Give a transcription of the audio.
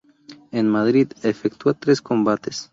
En Madrid, efectúa tres combates.